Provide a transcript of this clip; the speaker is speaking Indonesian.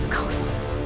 kau seorang prejurit